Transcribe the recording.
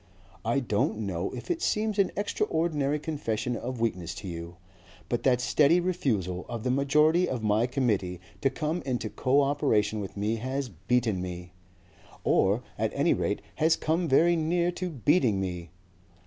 I don't know if it seems an extraordinary confession of weakness to you, but that steady refusal of the majority of my Committee to come into co operation with me has beaten me or at any rate has come very near to beating me.